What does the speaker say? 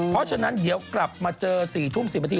เพราะฉะนั้นเดี๋ยวกลับมาเจอ๔ทุ่ม๑๐นาที